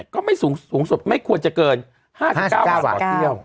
ก็ไม่สูงสุดไม่ควรจะเกิน๕๙บาทต่อเที่ยว